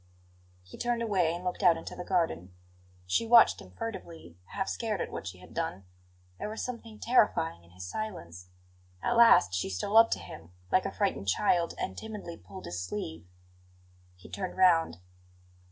He turned away, and looked out into the garden. She watched him furtively, half scared at what she had done; there was something terrifying in his silence. At last she stole up to him, like a frightened child, and timidly pulled his sleeve. He turned round.